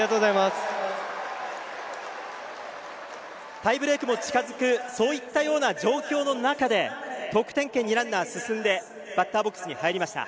タイブレークも近づくそういったような状況の中で得点圏にランナー進んでバッターボックスに入りました。